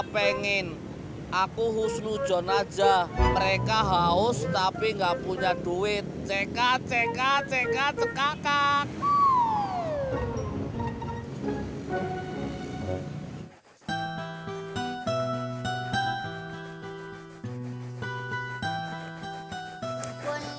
pengen aku husnu john aja mereka haus tapi nggak punya duit cek cek cek cek cek cek